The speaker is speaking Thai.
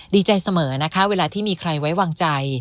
ดีใจเสมอนะคะเวลาที่มีใครไว้วางใจ